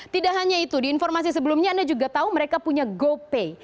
tidak hanya itu di informasi sebelumnya anda juga tahu mereka punya gopay